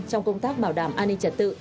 trong công tác bảo đảm an ninh chặt tự